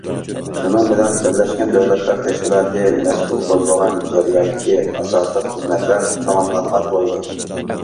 شۇنىڭ بىلەن بىرلەشكەن دۆلەتلەر تەشكىلاتى مەسئۇل بولىدىغان جەرياندىكى ئاساسلىق خىزمەتلەر تاماملانغان بولىدۇ.